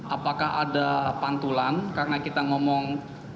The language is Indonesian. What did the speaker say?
apakah ada pantulan karena kita ngomong